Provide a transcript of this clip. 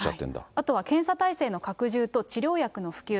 あとは検査体制の拡充と、治療薬の普及。